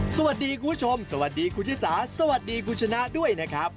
สวัสดีคุณผู้ชมสวัสดีคุณชิสาสวัสดีคุณชนะด้วยนะครับ